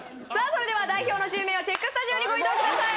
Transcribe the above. それでは代表の１０名はチェックスタジオにご移動ください